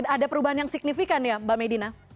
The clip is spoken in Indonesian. ada perubahan yang signifikan ya mbak medina